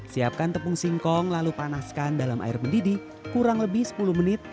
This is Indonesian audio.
siapkan tepung singkong lalu panaskan dalam air mendidih kurang lebih sepuluh menit